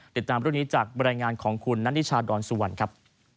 ติดตามเรื่องนี้จากบรรยายงานของคุณนัทนิชาดอนสุวรรณครับ